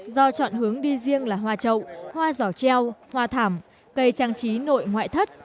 do chọn hướng đi riêng là hoa trậu hoa giỏ treo hoa thảm cây trang trí nội ngoại thất